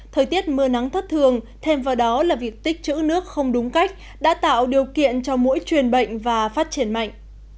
thời tiết mưa nắng thất thường thêm vào đó là việc tích chữ nước không đúng cách đã tạo điều kiện cho mỗi truyền bệnh và phát triển mạnh